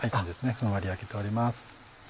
ふんわり焼けております。